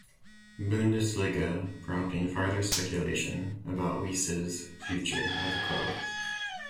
Bundesliga, prompting further speculation about Wiese's future at the club.